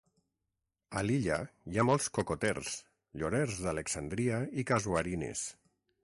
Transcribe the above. A l'illa hi ha molts cocoters, llorers d'Alexandria i casuarines.